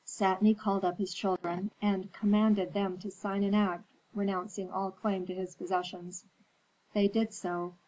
"Satni called up his children, and commanded them to sign an act renouncing all claim to his possessions. They did so.